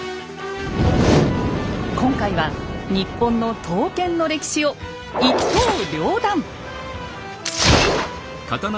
今回は日本の刀剣の歴史を一刀両断！